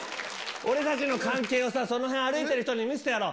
俺たちの関係をさ、その辺歩いてる人に見せてやろう。